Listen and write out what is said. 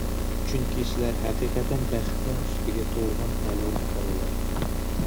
چۈنكى سىلەر ھەقىقەتەن بەختنىڭ ئۈستىگە تۇغۇلغان تەلەيلىك بالىلار.